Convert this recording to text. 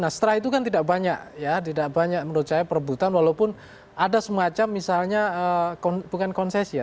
nah setelah itu kan tidak banyak ya tidak banyak menurut saya perebutan walaupun ada semacam misalnya bukan konses ya